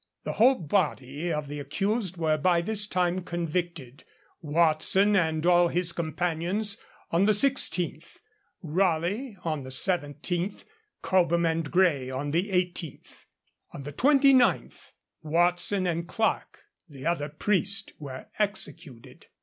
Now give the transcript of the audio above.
The whole body of the accused were by this time convicted, Watson and all his companions on the 16th, Raleigh on the 17th, Cobham and Gray on the 18th. On the 29th Watson and Clarke, the other priest, were executed.